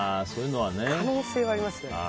可能性はありますよね。